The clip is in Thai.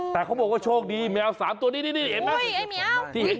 แต่เขาบอกว่าโชคดีแมว๓ตัวนี้นี่เห็นไหม